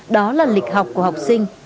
đó là lịch học của học sinh